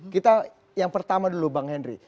kita yang pertama dulu bang henry